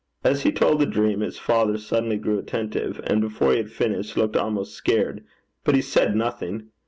As he told the dream, his father suddenly grew attentive, and before he had finished, looked almost scared; but he said nothing.